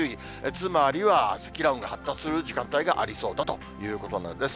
つまりは、積乱雲が発達する時間帯がありそうだということなんです。